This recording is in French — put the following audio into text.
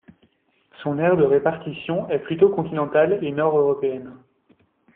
Son aire de répartition est plutôt continentale et nord-européenne.